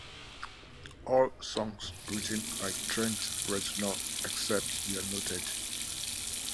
All songs written by Trent Reznor, except where noted.